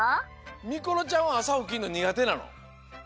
みころちゃんはあさおきるのにがてなの？